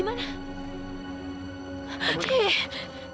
fawzan jangan fawzan